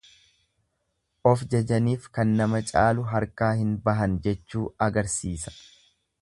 Of jajaniif kan nama caalu harkaa hin bahan jechuu agarsiisa.